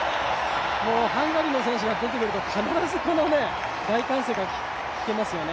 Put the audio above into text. もうハンガリーの選手が出てくると必ずこの大歓声が聞けますよね。